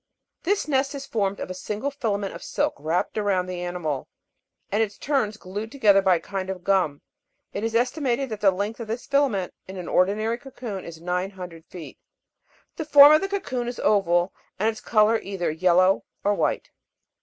This nest is formed of a single filament of silk wrapped around the animal, and its turns glued together by a kind of gum. It is estimated that the length of this filament in an ordinary cocoon is nine hundred feet. The form of the cocoon is oval, and its colour either yellow or white.